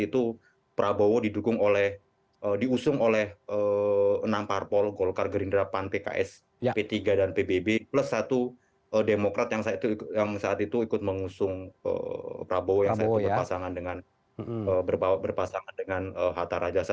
di dua ribu empat belas itu prabowo diusung oleh enam parpol golkar gerindra pantek ks p tiga dan pbb plus satu demokrat yang saat itu ikut mengusung prabowo yang berpasangan dengan hatta rajasa